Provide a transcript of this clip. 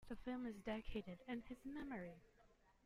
The film is dedicated in his memory.